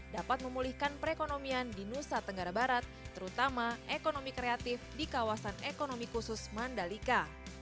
dapat memulihkan perekonomian di nusa tenggara barat terutama ekonomi kreatif di kawasan ekonomi khusus mandalika